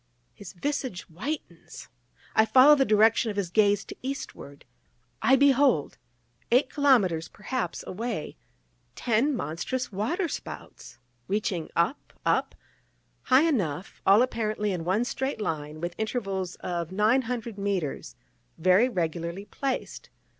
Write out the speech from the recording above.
_" His visage whitens! I follow the direction of his gaze to eastward! I behold! eight kilomètres perhaps away , ten monstrous waterspouts, reaching up, up, high enough all apparently in one straight line, with intervals of nine hundred mètres, very regularly placed.